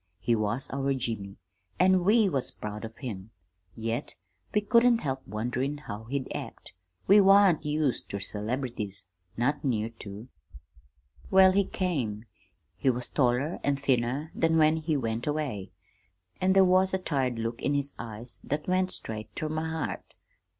He was our Jimmy, an' we was proud of him, yet we couldn't help wonderin' how he'd act. We wan't used ter celebrities not near to! "Well, he came. He was taller an' thinner than when he went away, an' there was a tired look in his eyes that went straight ter my heart.